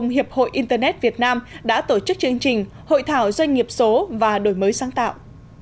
hiệp hội internet việt nam đã tổ chức chương trình hội thảo doanh nghiệp số và đổi mới sáng tạo